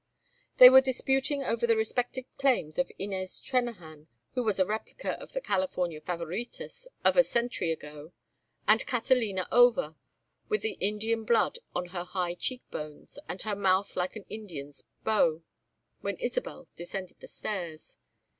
They were disputing over the respective claims of Inez Trennahan, who was a replica of the California Favoritas of a century ago, and Catalina Over with the Indian blood on her high cheek bones, and her mouth like an Indian's bow, when Isabel descended the stairs.